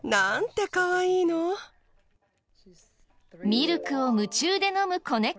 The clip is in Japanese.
ミルクを夢中で飲む子猫。